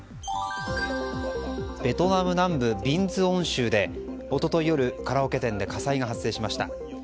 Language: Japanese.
ベトナム南部ビンズオン省で一昨日夜カラオケ店で火災が発生しました。